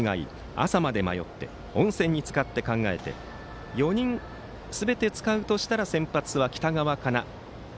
朝まで迷って温泉につかって考えて４人すべて使うとしたら先発は北川かなと。